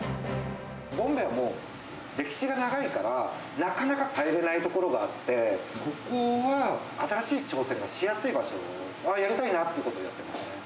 ボンベイはもう、歴史が長いから、なかなか変えれないところがあって、ここは新しい挑戦がしやすい場所、やりたいなっていうことをやってます。